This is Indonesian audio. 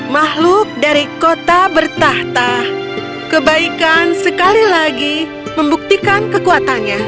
makhluk dari kota bertahta kebaikan sekali lagi membuktikan kekuatannya